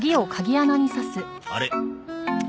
あれ？